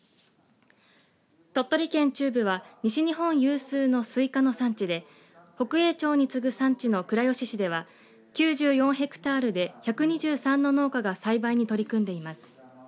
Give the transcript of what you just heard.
鳥取県中部は西日本有数のスイカの産地で北栄町に次ぐ産地の倉吉市では９４ヘクタールで１２３の農家が栽培に取り組んでいます。